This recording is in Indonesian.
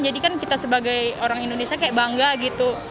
jadi kan kita sebagai orang indonesia kayak bangga gitu